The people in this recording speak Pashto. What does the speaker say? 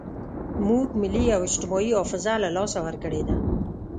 موږ ملي او اجتماعي حافظه له لاسه ورکړې ده.